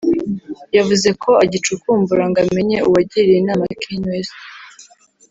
yavuze ko agicukumbura ngo amenye uwagiriye inama Kanye West